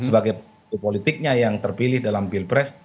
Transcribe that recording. sebagai politiknya yang terpilih dalam pilpres